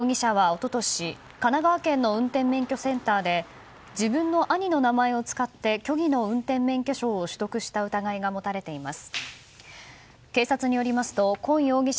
今真彦容疑者は、一昨年神奈川県の運転免許センターで自分の兄の名前を使って虚偽の運転免許証を取得した疑いが持たれています。